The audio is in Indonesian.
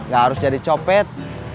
gak harus jadi copet